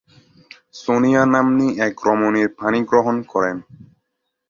সোনিয়া নাম্নী এক রমণীর পাণিগ্রহণ করেন।